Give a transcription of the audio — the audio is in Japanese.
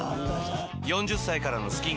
４０歳からのスキンケア